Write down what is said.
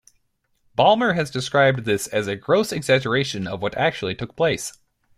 Ballmer has described this as a gross exaggeration of what actually took place.